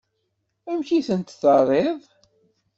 Amek i tent-terriḍ?